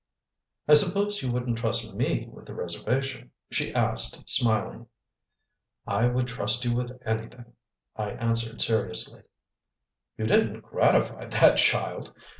"I suppose you wouldn't trust ME with the reservation?" she asked, smiling. "I would trust you with anything," I answered seriously. "You didn't gratify that child?"